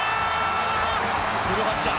古橋だ！